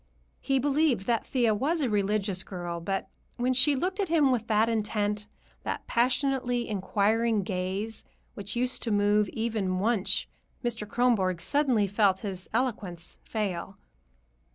He believed that Thea was a religious girl, but when she looked at him with that intent, that passionately inquiring gaze which used to move even Wunsch, Mr. Kronborg suddenly felt his eloquence fail.